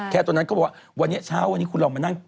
ตอนนั้นเขาบอกว่าวันนี้เช้าวันนี้คุณลองมานั่ง